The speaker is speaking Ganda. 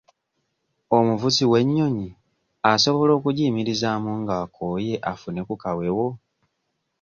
Omuvuzi w'ennyonyi asobola okugiyimirizaamu ng'akooye afune ku kawewo?